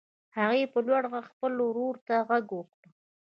هغې په لوړ غږ خپل ورور ته غږ وکړ.